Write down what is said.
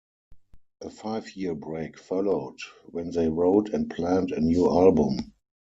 A five-year break followed, when they wrote and planned a new album.